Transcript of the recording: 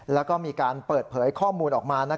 แล้วก็มีการเปิดเผยข้อมูลออกมา